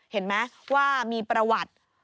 เห็นไหมว่ามีประวัติ